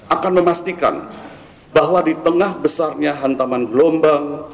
akan memastikan bahwa di tengah besarnya hantaman gelombang